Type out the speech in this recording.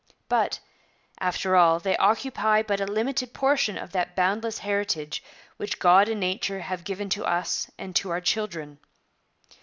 But, after all, they occupy but a limited portion of that boundless heritage which God and nature have given to us and to our children.